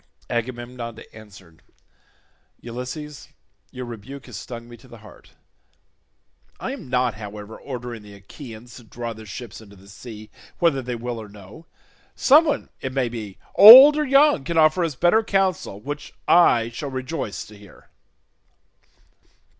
Agamemnon answered, "Ulysses, your rebuke has stung me to the heart. I am not, however, ordering the Achaeans to draw their ships into the sea whether they will or no. Someone, it may be, old or young, can offer us better counsel which I shall rejoice to hear."